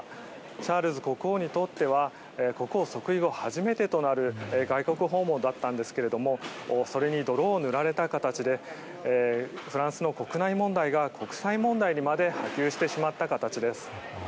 チャールズ国王にとっては国王即位後初めてとなる外国訪問だったんですけれどもそれに泥を塗られた形でフランスの国内問題が国際問題にまで波及してしまった形です。